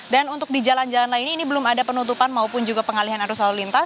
dan untuk di jalan jalan lain ini belum ada penutupan maupun juga pengalihan arus lalu lintas